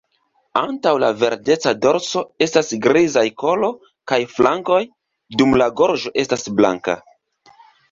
Antaŭ la verdeca dorso estas grizaj kolo kaj flankoj, dum la gorĝo estas blanka.